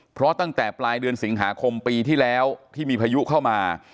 เพราะตั้งแต่ปลายเดือนสิงหาคมปีที่แล้วที่มีพายุเข้ามา